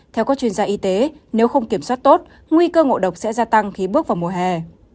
theo các chuyên gia y tế nếu không kiểm soát tốt nguy cơ ngộ độc sẽ gia tăng khi bước vào mùa hè